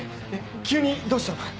急にどうしたの？